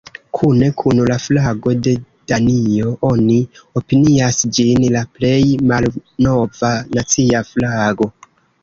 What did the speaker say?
Kune kun la flago de Danio, oni opinias ĝin la plej malnova nacia flago.